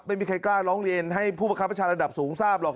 ไม่มีใครกล้าร้องเรียนให้ผู้ประคับประชาระดับสูงทราบหรอก